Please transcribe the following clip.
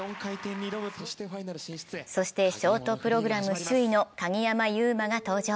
そしてショートプログラム首位の鍵山優真が登場。